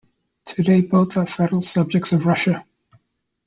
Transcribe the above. Today, both are federal subjects of Russia.